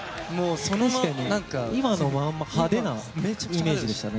今のまんま派手なイメージでしたね。